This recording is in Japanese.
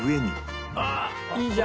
いいじゃん。